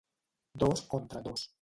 Dos contra dos.